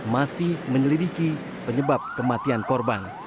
masih menyelidiki penyebab kematian korban